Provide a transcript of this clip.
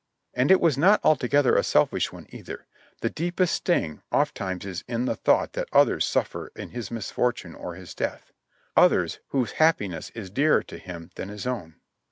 And it was not altogetlier a selfish one, either; the deepest sting ofttimes is in the thought that others suffer in his misfortune or his death — others whose happiness is dearer to him than his own.